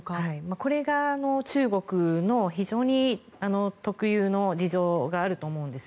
これが中国の非常に特有の事情があると思うんです。